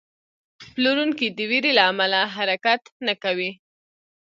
پلورونکی د ویرې له امله حرکت نه کوي.